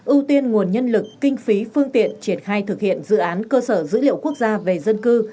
ưu tiên nguồn nhân lực kinh phí phương tiện triển khai thực hiện dự án cơ sở dữ liệu quốc gia về dân cư